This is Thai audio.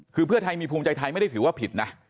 คือเพื่อไทยมีภูมิใจไทยไม่ได้ถือว่าผิดนะ